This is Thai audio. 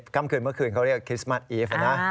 ค่ำคืนเมื่อคืนเขาเรียกคริสต์มัสอีฟนะ